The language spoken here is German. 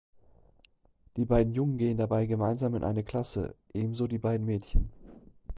Die beiden Jungen gehen dabei gemeinsam in eine Klasse, ebenso die beiden Mädchen.